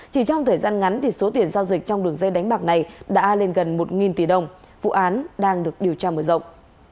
chỉ trong thời gian ngắn số tiền giao dịch trong đường dây đánh bạc này đã lên gần một tỷ đồng vụ án đang được điều tra mở rộng